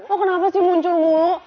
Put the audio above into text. lo kenapa sih muncul mulu